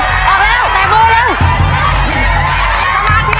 ออกแล้วแตกมือเร็ว